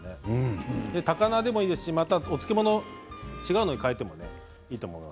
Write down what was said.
高菜でもいいですし、お漬物を違うものに変えてもいいと思います。